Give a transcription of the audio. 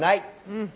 うん。